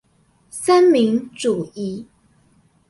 三民主義